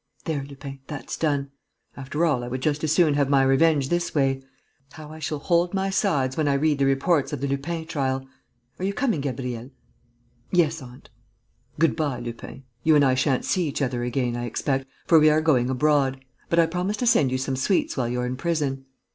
"There, Lupin, that's done. After all, I would just as soon have my revenge this way. How I shall hold my sides when I read the reports of the Lupin trial!... Are you coming, Gabriel?" "Yes, aunt." "Good bye, Lupin. You and I sha'n't see each other again, I expect, for we are going abroad. But I promise to send you some sweets while you're in prison."